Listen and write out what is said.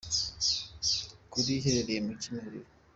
kuri iherereye ku Kimihurura.